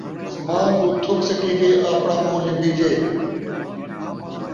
اسمان دو تھک سٹیجے، آپݨا مونہہ لمبیجے